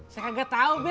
saya gak tau be